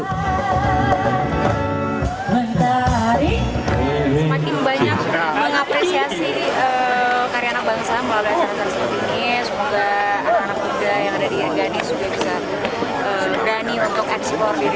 semakin banyak mengapresiasi karya anak bangsa melalui acara acara seperti ini